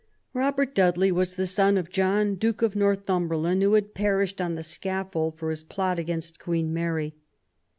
Robert Dudley was the son of John, Duke of Northumberland, who had perished on the scaffold for his plot against Queen Mary.